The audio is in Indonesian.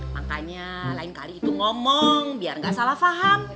makanya lain kali itu ngomong biar gak salah paham